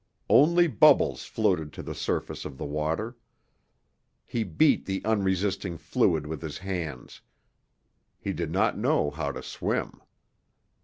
Only bubbles floated to the surface of the water. He beat the unresisting fluid with his hands he did not know how to swim.